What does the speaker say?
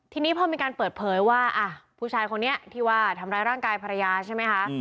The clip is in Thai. ทีนี้พอมีการเปิดเผยว่าผู้ชายคนนี้ที่ว่าทำร้ายร่างกายภรรยาใช่ไหมคะ